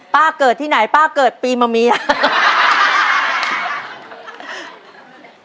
เกิดที่ไหนป้าเกิดปีมะเมีย